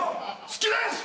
好きです！